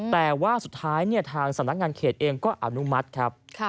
แต่ว่าสุดท้ายทางสำนักงานเขตเองก็อนุมัติครับ